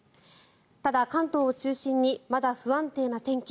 ただ、関東を中心にまだ不安定な天気。